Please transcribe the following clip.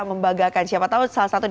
membagakan siapa tahu salah satu